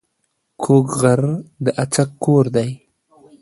کوږک غر د اڅک کور دی